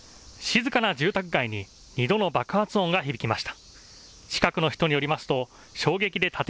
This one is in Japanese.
静かな住宅街に２度の爆発音が響きました。